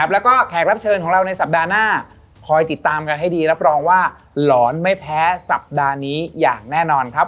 แล้วก็แขกรับเชิญของเราในสัปดาห์หน้าคอยติดตามกันให้ดีรับรองว่าหลอนไม่แพ้สัปดาห์นี้อย่างแน่นอนครับ